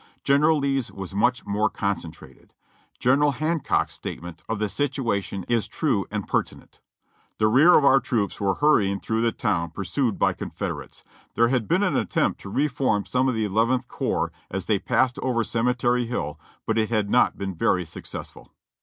General Lee's was much more concentrated. General Hancock's statement of the situation is true and pertinent : 'The rear of our troops were hurrying through the town, pursued by Confederates. There had been an attempt to reform some of the Eleventh Corps as they passed over Cemetery Hill, but it had not been very successful.'